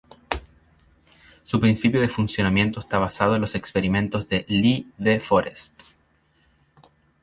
Su principio de funcionamiento está basado en los experimentos de Lee De Forest.